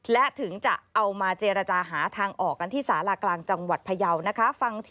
และถึงจะเอามาเจรจาหาทางออกกันที่สารากลางจังหวัดพยาวนะคะ